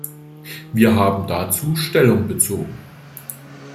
Wir haben dazu Stellung bezogen.